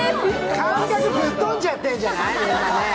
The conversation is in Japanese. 感覚、ぶっとんじゃってんじゃない？